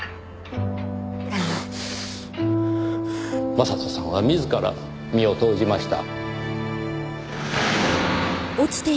将人さんは自ら身を投じました。